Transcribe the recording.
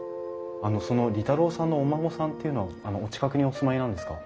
あのその利太郎さんのお孫さんっていうのはお近くにお住まいなんですか？